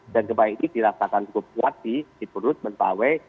dan gempa ini dirasakan cukup kuat di sibut mentawai